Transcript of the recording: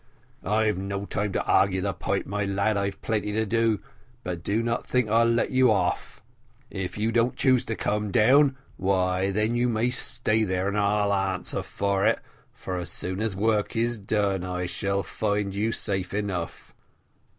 "I've no time to argue the point, my lad; I've plenty to do, but do not think I'll let you off. If you don't choose to come down, why then you may stay there, and I'll answer for it, as soon as work is done I shall find you safe enough."